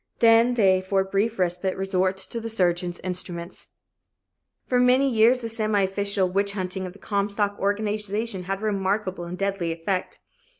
Then they for a brief respite resort to the surgeon's instruments. For many years the semi official witch hunting of the Comstock organization had a remarkable and a deadly effect.